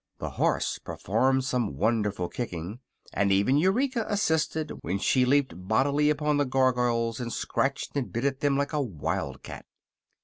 The horse performed some wonderful kicking and even Eureka assisted when she leaped bodily upon the Gargoyles and scratched and bit at them like a wild cat.